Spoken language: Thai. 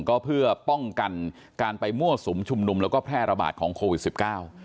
ก็เพื่อป้องกันการไปมั่วสุมชุมนุมแล้วก็แพร่ระบาดของโควิดสิบเก้า